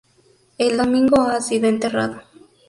El domingo ha sido enterrado.